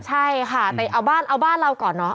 ใช่ค่ะแต่เอาบ้านเราก่อนเนอะ